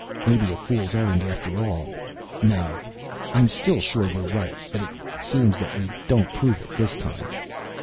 "Maybe a fool's errand after all. No I'm still sure we're right! But it seems that we don't prove it this time."